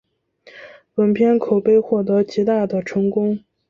本片口碑获得极大的成功。